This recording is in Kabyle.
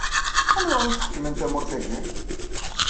Anwa iḥekkmen tamurt-agi?